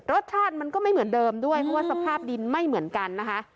รสชาติมันก็ไม่เหมือนเดิมด้วยเพราะว่าสภาพดินไม่เหมือนกันนะคะ